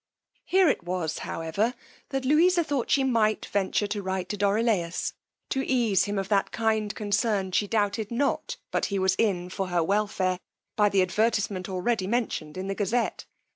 Here it was, however, that Louisa thought she might venture to write to Dorilaus, to ease him of that kind concern she doubted not but he was in for her welfare, by the advertisement already mentioned in the Gazette.